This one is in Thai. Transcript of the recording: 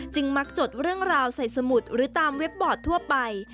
มักจดเรื่องราวใส่สมุดหรือตามเว็บบอร์ดทั่วไป